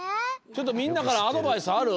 ちょっとみんなからアドバイスある？